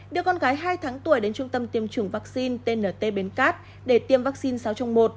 đưa con gái hai tháng tuổi đến trung tâm tiêm chủng vaccine tnt bến cát để tiêm vaccine sáu trong một